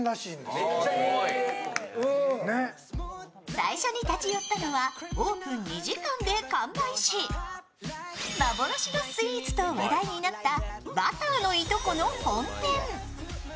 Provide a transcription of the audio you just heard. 最初に立ち寄ったのはオープン２時間で完売し、幻のスイーツと話題になったバターのいとこの本店。